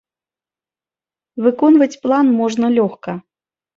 Выконваць план можна лёгка.